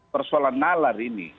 persoalan nalar ini